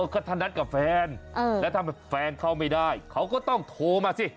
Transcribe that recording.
ก็ถ้านัดกับแฟนแล้วถ้าแฟนเข้าไม่ได้เขาก็ต้องโทรมาสิ